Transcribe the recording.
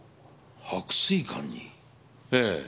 ええ。